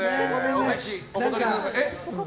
お席にお戻りください。